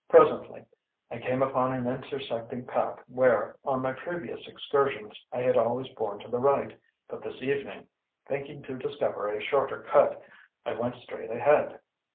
Presently I came upon an intersecting path where, on my previous excursions, I had always borne to the right; but this evening, thinking to discover a shorter cut, I went straight ahead.